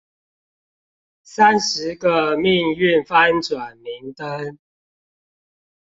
三十個命運翻轉明燈